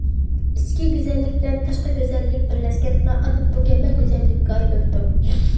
ئىچكى گۈزەللىك بىلەن تاشقى گۈزەللىك بىرلەشكەندىلا، ئاندىن مۇكەممەل گۈزەللىككە ئايلىنىدۇ.